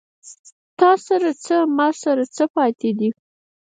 تاســـره څـــه، ما ســـره څه پاتې دي